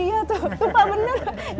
oh iya tuh lupa bener